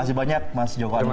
makasih banyak mas joko anwar